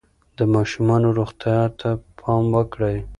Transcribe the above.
د ماشومانو روغتیا ته پام وکړئ.